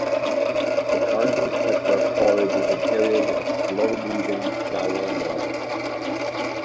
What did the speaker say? The cardinal tetra forages in areas of slow-moving shallow water.